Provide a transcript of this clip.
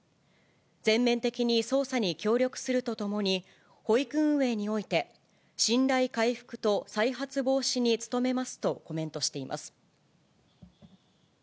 全面的に捜査に協力するとともに、保育運営において、信頼回復と再発防止に努めますとコメントしています。